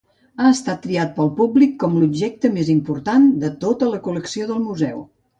Ha estat triat pel públic com l'objecte més important de tota la col·lecció del museu.